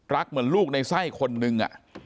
รักเหมือนลูกในไส้คนหนึ่งอะ